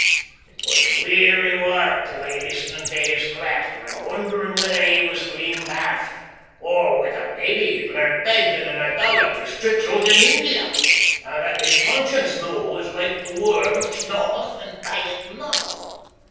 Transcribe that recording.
It was weary wark to lie listenin' tae his clatter and wonderin' whether he was clean daft, or whether maybe he'd lairnt pagan and idolatrous tricks oot in India, and that his conscience noo was like the worm which gnaweth and dieth not.